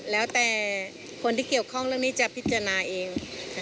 แล้วแต่คนที่เกี่ยวข้องเรื่องนี้จะพิจารณาเอง